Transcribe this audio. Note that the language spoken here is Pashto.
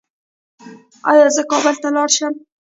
ایا زه کابل ته لاړ شم؟